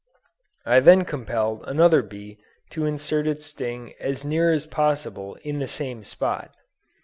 I then compelled another bee to insert its sting as near as possible in the same spot.